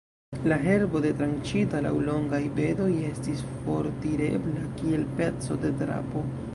La herbo, detranĉita laŭ longaj bedoj, estis fortirebla kiel peco de drapo.